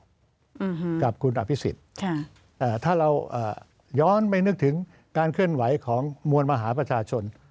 อืมฮือกับคุณอภิสิทธิ์ค่ะเอ่อถ้าเราย้อนไม่นึกถึงการเคลื่อนไหวของมวลมหาประชาชน